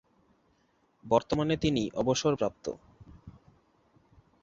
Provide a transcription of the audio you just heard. বর্তমানে তিনি অবসরপ্রাপ্ত।